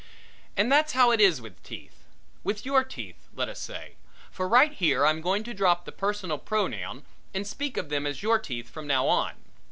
And that's how it is with teeth with your teeth let us say for right here I'm going to drop the personal pronoun and speak of them as your teeth from now on.